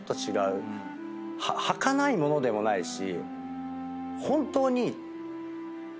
はかないものでもないし。